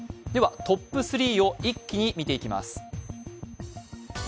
トップ３を一気に見ていきます。